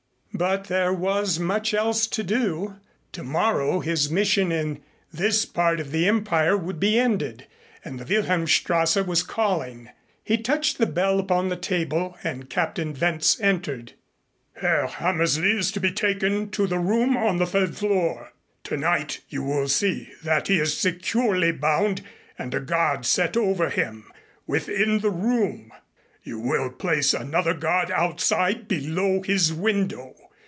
But there was much else to do. Tomorrow his mission in this part of the Empire would be ended and the Wilhelmstrasse was calling. He touched the bell upon the table and Captain Wentz entered. "Herr Hammersley is to be taken to the room on the third floor. Tonight you will see that he is securely bound and a guard set over him, within the room. You will place another guard outside below his window.